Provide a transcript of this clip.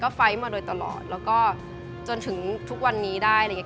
ไฟล์มาโดยตลอดแล้วก็จนถึงทุกวันนี้ได้อะไรอย่างเง